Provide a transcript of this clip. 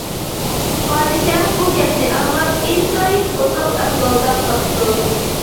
پادىشاھ بۇ گەپنى ئاڭلاپ، ئىنتايىن ئوسال ئەھۋالدا قاپتۇ.